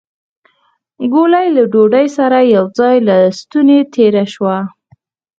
ګولۍ له ډوډۍ سره يو ځای له ستونې تېره شوه.